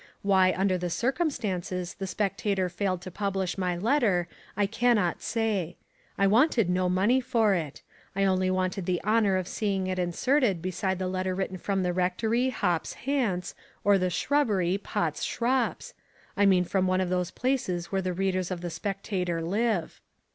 Why under the circumstances the Spectator failed to publish my letter I cannot say. I wanted no money for it: I only wanted the honour of seeing it inserted beside the letter written from the Rectory, Hops, Hants, or the Shrubbery, Potts, Shrops, I mean from one of those places where the readers of the Spectator live.